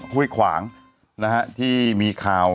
ห้วยขวางที่มีข่าว